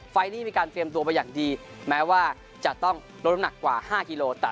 ไฟล์นี้มีการเตรียมตัวมาอย่างดีแม้ว่าจะต้องลดน้ำหนักกว่า๕กิโล